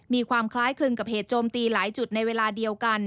มีความคล้ายคลึงกับเหตุโจมตีหลายจุดในเวลาเดียวกัน